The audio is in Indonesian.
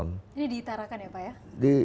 ini diutarakan ya pak ya